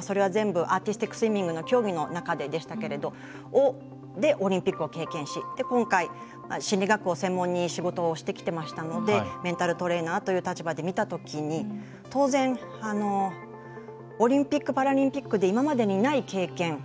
それは全部アーティスティックスイミングの競技の中ででしたけれどオリンピックを経験し今回、心理学を専門に仕事をしてきてましたのでメンタルトレーナーという立場で見たときに、当然オリンピック・パラリンピックで今までにない経験、よくも悪くも。